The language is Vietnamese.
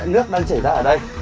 nước đang chảy ra ở đây